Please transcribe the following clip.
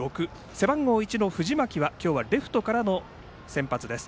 背番号１の藤巻は今日はレフトからの先発です。